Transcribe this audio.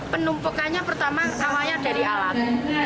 penumpukannya pertama awalnya dari alat